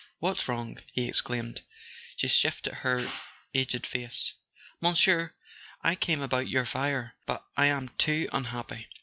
What's wrong?" he exclaimed. She lifted her aged face. "Monsieur, I came about your fire; but I am too unhappy.